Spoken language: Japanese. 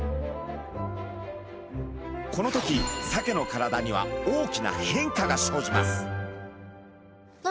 この時サケの体には大きな変化が生じます。